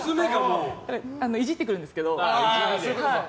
イジってくるんですけど。